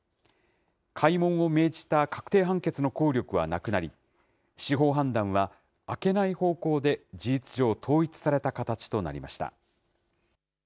開門を命じた確定判決の効力はなくなり、司法判断は開けない方向で事実上、統一された形となりました。